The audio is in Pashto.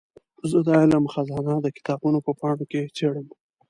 زه د علم خزانه د کتابونو په پاڼو کې څېړم.